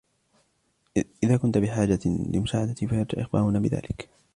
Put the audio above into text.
إذا كنت بحاجة لمساعدتي ، فيرجى إخبارنا بذلك.